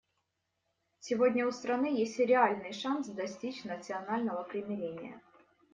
Сегодня у страны есть реальный шанс достичь национального примирения.